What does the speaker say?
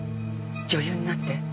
女優になって。